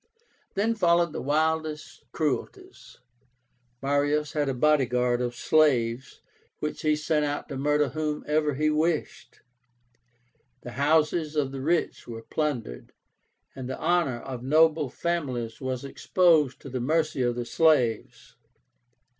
Then followed the wildest cruelties. Marius had a body guard of slaves, which he sent out to murder whomever he wished. The houses of the rich were plundered, and the honor of noble families was exposed to the mercy of the slaves.